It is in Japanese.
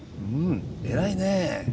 偉いね。